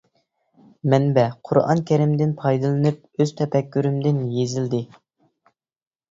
مەنبە : قۇرئان كەرىمدىن پايدىلىنىپ ئۆز تەپەككۇرۇمدىن يېزىلدى.